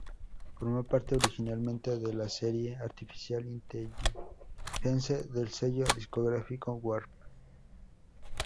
Formó parte originalmente de la serie Artificial Intelligence del sello discográfico Warp.